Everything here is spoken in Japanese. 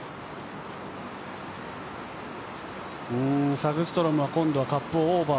サグストロムは今度はカップオーバー。